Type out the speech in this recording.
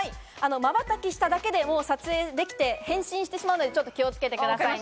まばたきしただけで撮影できて変身してしまうので、気をつけてください。